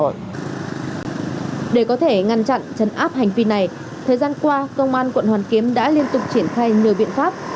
để có thể ngăn chặn chấn áp hành vi này thời gian qua công an quận hoàn kiếm đã liên tục triển khai nhiều biện pháp